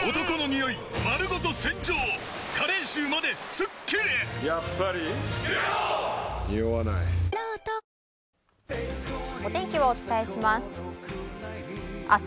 お天気をお伝えします。